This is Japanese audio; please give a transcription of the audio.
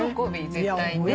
絶対ね。